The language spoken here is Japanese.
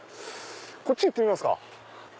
こっち行ってみますか。